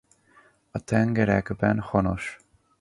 A tengerekben honos.